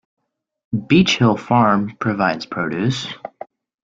Beech Hill Farm provides produce.